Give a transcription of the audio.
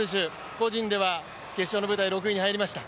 個人では決勝の舞台、６位に入りました。